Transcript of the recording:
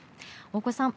大越さん